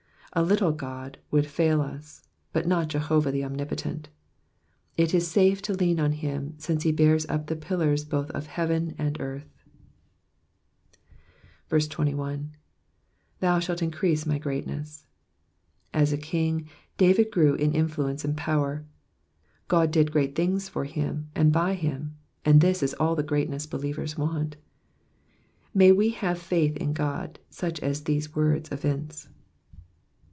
A little God would fail us, but not Jehovah the Omnipotent. It is safe to lean on him, since he bears up the pillars both of heaven and earth. 21. ^*'Thou shalt increase my greatness,'*'* As a king, David grew in influence and power. God did gieat things for him, and by him, and this is all the great ness believers want. May we have faith in God, such as these words evince.